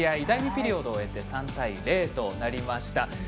第２ピリオドを終えて３対０となりました。